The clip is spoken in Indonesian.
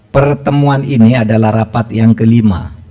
pertemuan ini adalah rapat yang kelima